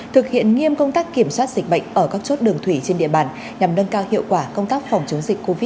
thực hiện nghiêm công tác kiểm soát dịch bệnh ở các chốt đường thủy trên địa bàn nhằm nâng cao hiệu quả công tác phòng chống dịch covid một mươi chín